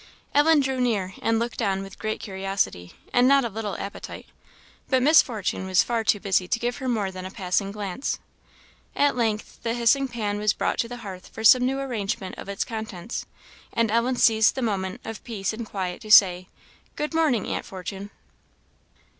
Ellen drew near, and looked on with great curiosity, and not a little appetite; but Miss Fortune was far too busy to give her more than a passing glance. At length the hissing pan was brought to the hearth for some new arrangement of its contents, and Ellen seized the moment of peace and quiet to say, "Good morning, Aunt Fortune."